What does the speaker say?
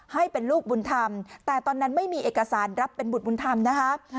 ให้เป็นลูกบุญธรรมแต่ตอนนั้นไม่มีเอกสารรับเป็นบุตรบุญธรรมนะคะ